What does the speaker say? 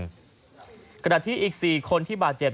กะดับที่กระทะที่อีก๔คนที่บาดเจ็บ